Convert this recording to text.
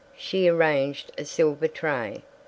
She arranged a silver tray.